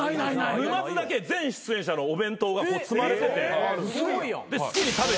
沼津だけ全出演者のお弁当が積まれててで好きに食べていいんですよ。